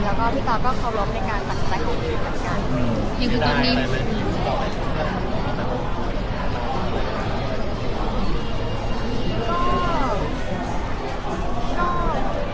แล้วก็พี่ต่อก็เคารพในการตัดสินใจของผู้พิธีเหมือนกันอย่างคือตัวหนึ่ง